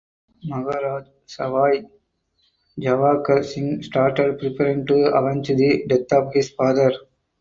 Maharaja Sawai Jawahar Singh started preparing to avenge the death of his father.